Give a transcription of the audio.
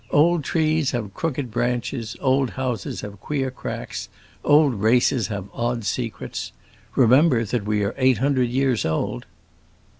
Old trees have crooked branches, old houses have queer cracks, old races have odd secrets. Remember that we are eight hundred years old!"